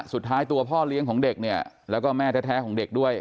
สุดท้ายตัวพ่อเลี้ยงของเด็กเนี่ยแล้วก็แม่แท้ของเด็กด้วย